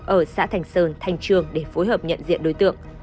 ở xã thành sơn thành trường để phối hợp nhận diện đối tượng